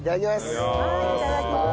いただきます。